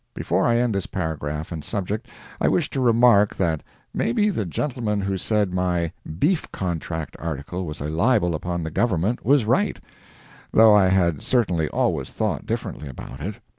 Before I end this paragraph and subject, I wish to remark that maybe the gentleman who said my "Beef Contract" article was a libel upon the Government was right—though I had certainly always thought differently about it.